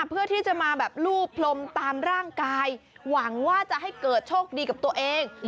เพื่อที่จะมาแบบลูบลมตามร่างกายหวังว่าจะให้เกิดโชคดีกับตัวเอง